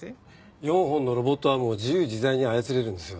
４本のロボットアームを自由自在に操れるんですよね。